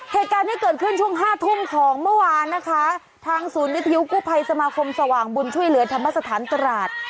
เหตุการณ์นี้เกิดขึ้นช่วงห้าทุ่มของเมื่อวานนะคะทางศูนย์วิทยุกู้ภัยสมาคมสว่างบุญช่วยเหลือธรรมสถานตราด